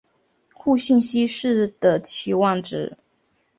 互信息是的期望值。